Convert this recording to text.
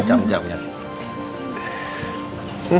jam jam ya sih